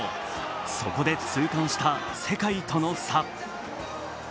そこで痛感した世界との差。